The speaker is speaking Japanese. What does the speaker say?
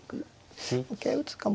一回打つかも。